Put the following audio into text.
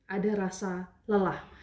ada rasa lelah